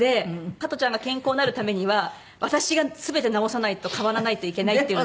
加トちゃんが健康になるためには私が全て直さないと変わらないといけないっていう。